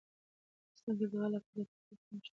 افغانستان کې د زغال لپاره دپرمختیا پروګرامونه شته.